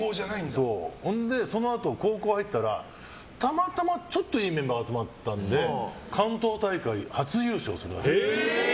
そのあと、高校入ったらたまたまちょっといいメンバー集まったから関東大会、初優勝するわけ。